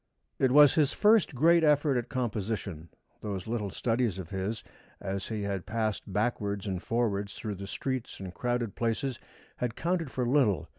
It was his first great effort at composition. Those little studies of his, as he had passed backwards and forwards through the streets and crowded places, had counted for little.